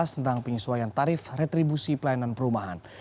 tentang penyesuaian tarif retribusi pelayanan perumahan